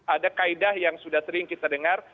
ada kaedah yang sudah sering kita dengar